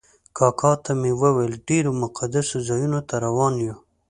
کاکا ته مې وویل ډېرو مقدسو ځایونو ته روان یو.